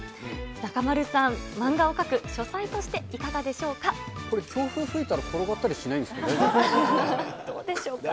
中丸さん、漫画を描く書斎としてこれ、強風吹いたら転がったりしないんですか？